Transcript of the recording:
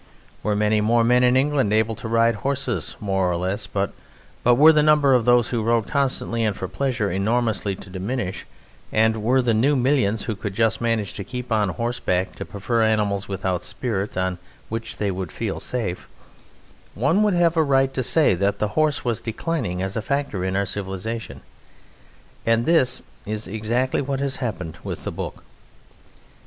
Were many more men in England able to ride horses more or less, but were the number of those who rode constantly and for pleasure enormously to diminish, and were the new millions who could just manage to keep on horseback to prefer animals without spirit on which they would feel safe, one would have a right to say that the horse was declining as a factor in our civilization; and this is exactly what has happened with the Book.